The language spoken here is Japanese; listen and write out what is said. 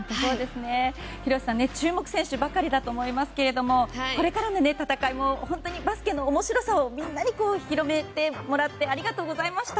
広瀬さん、注目選手ばかりだと思いますけれどもバスケの面白さをみんなに広めてもらってありがとうございました。